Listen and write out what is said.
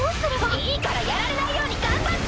いいからやられないように頑張って！